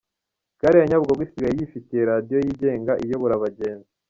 Gare ya Nyabugogo isigaye yifitiye radiyo yigenga iyobora abagenzi